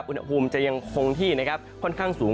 อุณหภูมิจะยังคงที่ค่อนข้างสูง